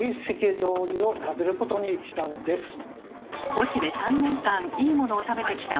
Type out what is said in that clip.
「ゴチ」で３年間いいものを食べてきた増田さん！